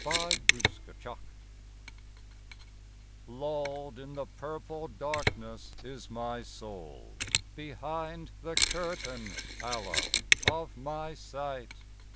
70 THE SUFI Lulled in the purple darkness is my soul, Behind the curtain, Allah, of my sight.